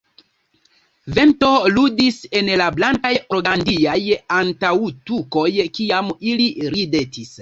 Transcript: Vento ludis en la blankaj organdiaj antaŭtukoj kiam ili ridetis.